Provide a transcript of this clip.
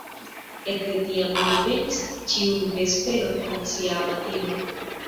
Ekde tiam li venis ĉiun vesperon al sia amatino.